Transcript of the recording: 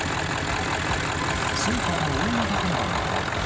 スーパーの大型看板が落下。